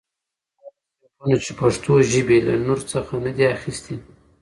غه صنفونه، چي پښتوژبي له نورڅخه نه دي اخستي.